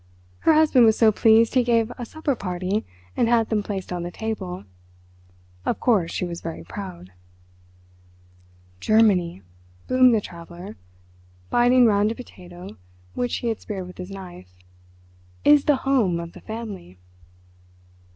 Her husband was so pleased he gave a supper party and had them placed on the table. Of course she was very proud." "Germany," boomed the Traveller, biting round a potato which he had speared with his knife, "is the home of the Family."